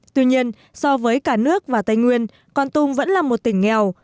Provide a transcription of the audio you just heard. tuy nhiên so với cả nước và tây nguyên con tum vẫn là một tỉnh nghèo